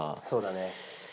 そうだね。